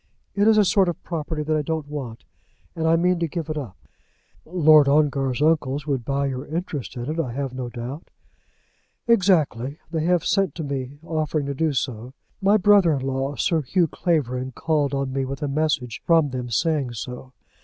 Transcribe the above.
It is a sort of property that I don't want, and I mean to give it up." "Lord Ongar's uncles would buy your interest in it, I have no doubt." "Exactly. They have sent to me, offering to do so. My brother in law, Sir Hugh Clavering, called on me with a message from them saying so.